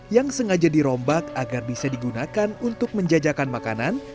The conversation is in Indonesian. yang sengaja dirombak agar bisa digunakan untuk menjajakan makanan